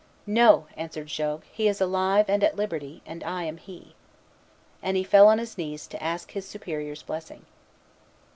"No," answered Jogues; "he is alive and at liberty, and I am he." And he fell on his knees to ask his Superior's blessing.